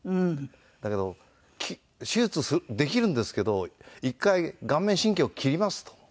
だけど手術できるんですけど１回顔面神経を切りますと。